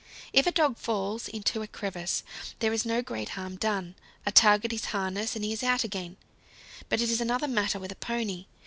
If a dog falls into a crevasse there is no great harm done; a tug at his harness and he is out again; but it is another matter with a pony.